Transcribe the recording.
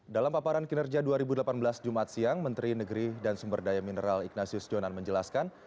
dalam paparan kinerja dua ribu delapan belas jumat siang menteri negeri dan sumber daya mineral ignasius jonan menjelaskan